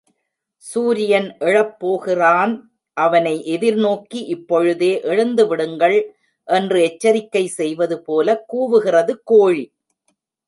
சூரியன் எழப் போகிறான் அவனை எதிர்நோக்கி இப்பொழுதே எழுந்துவிடுங்கள் என்று எச்சரிக்கை செய்வது போலக் கூவுகிறது கோழி.